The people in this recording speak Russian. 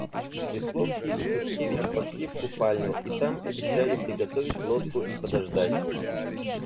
Весловский и Тушкевич пошли в купальню и там обещали приготовить лодку и подождать.